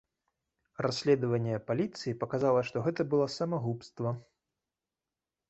Расследаванне паліцыі паказала, што гэта было самагубства.